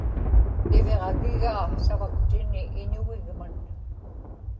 iviġagigaa savaktini iñugigman